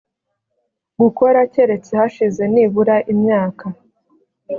gukora keretse hashize nibura imyaka